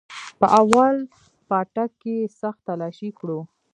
په اول پاټک کښې يې سخت تلاشي كړو.